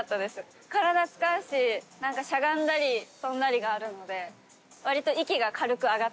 体使うし何かしゃがんだり跳んだりがあるのでわりと息が軽く上がってます。